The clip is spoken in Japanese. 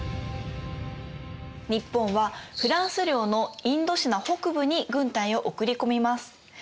日本はフランス領のインドシナ北部に軍隊を送り込みます。